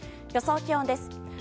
予想気温です。